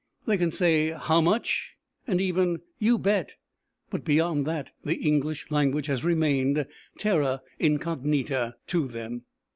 They can say "how much" and even "you bet"; but beyond that, the English language has remained "terra incognita" to them.